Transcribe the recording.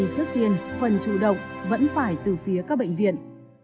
tự động vẫn phải từ phía các bệnh viện